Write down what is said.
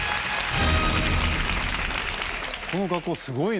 この学校すごいね。